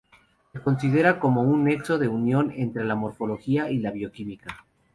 Se considera como un nexo de unión entre la morfología y la bioquímica.